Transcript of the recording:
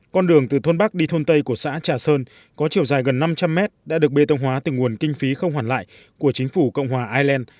con đường từ thôn bắc đi thôn tây của xã trà sơn có chiều dài gần năm trăm linh mét đã được bê tông hóa từ nguồn kinh phí không hoàn lại của chính phủ cộng hòa ireland